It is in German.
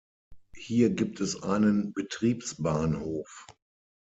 Hier gibt es einen Betriebsbahnhof.